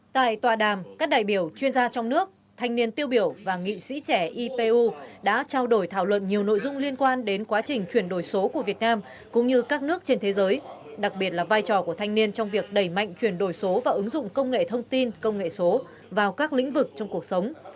tại tọa đàm các đại biểu chuyên gia trong nước thanh niên tiêu biểu và nghị sĩ trẻ ipu đã trao đổi thảo luận nhiều nội dung liên quan đến quá trình chuyển đổi số của việt nam cũng như các nước trên thế giới đặc biệt là vai trò của thanh niên trong việc đẩy mạnh chuyển đổi số và ứng dụng công nghệ thông tin công nghệ số vào các lĩnh vực trong cuộc sống